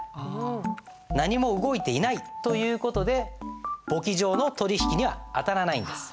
何も動いていないという事で簿記上の取引には当たらないんです。